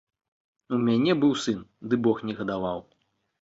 У мяне быў сын, ды бог не гадаваў.